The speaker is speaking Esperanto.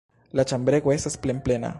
La ĉambrego estas plenplena.